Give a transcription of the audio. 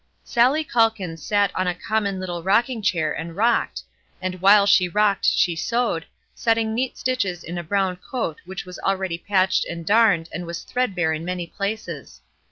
Sallie Calkins sat in a common little rocking chair and rocked; and while she rocked she sewed, setting neat stitches in a brown coat which was already patched and darned and was threadbare in many places.